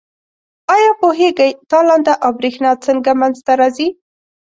آیا پوهیږئ تالنده او برېښنا څنګه منځ ته راځي؟